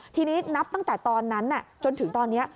ทีนี้นับตั้งแต่ตอนนั้นจนถึงตอนนี้